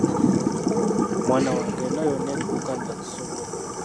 Mwana wange, eno yonna edduuka nnagisobola?